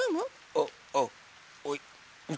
あっあっはい。